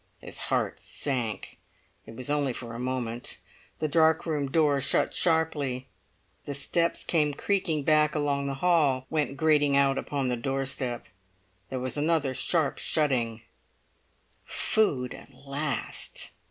His heart sank. It was only for a moment. The dark room door shut sharply. The steps came creaking back along the hall, went grating out upon the doorstep. There was another sharp shutting. Food at last!